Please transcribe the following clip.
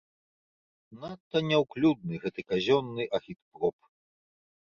Надта няўклюдны гэты казённы агітпроп.